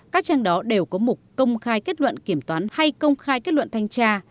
các trang đó đều có mục công khai kết luận kiểm toán hay công khai kết luận thanh tra